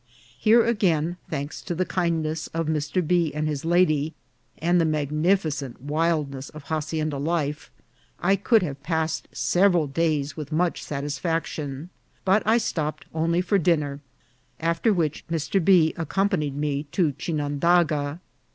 Here again, thanks to the kindness of Mr. B. and his lady, and the magnificent wildness of hacienda life, I could have passed several days wi*h much satisfaction ; but I stopped only for dinner, after which Mr. B. accompa nied me to Chinandaga.